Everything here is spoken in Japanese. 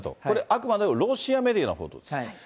これ、あくまでもロシアメディアの報道です。